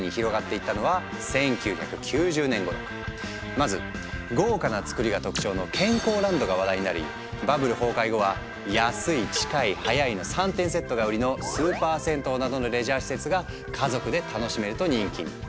まず豪華な造りが特徴の健康ランドが話題になりバブル崩壊後は「安い近い早い」の３点セットが売りの「スーパー銭湯」などのレジャー施設が家族で楽しめると人気に。